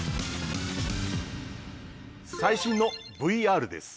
最新のＶＲです。